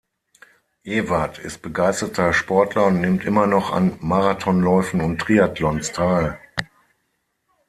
Ewert ist begeisterter Sportler und nimmt immer noch an Marathonläufen und Triathlons teil.